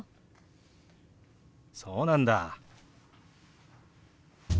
そうなんだ。